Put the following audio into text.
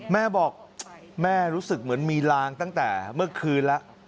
แม่บอกแม่รู้สึกเหมือนมีลางตั้งแต่เมื่อคืนแล้ว